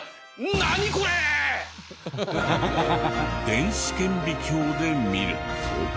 電子顕微鏡で見ると。